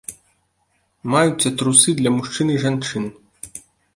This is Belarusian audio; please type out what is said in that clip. Маюцца трусы для мужчын і жанчын.